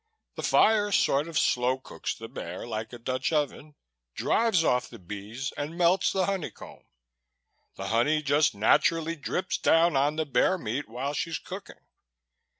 The fire sort of slow cooks the bear, like a Dutch oven, drives off the bees and melts the honey comb. The honey just naturally drips down on the bear meat while she's cooking.